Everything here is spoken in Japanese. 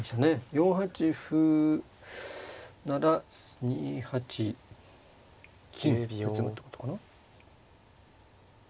４八歩なら２八金で詰むってことかな。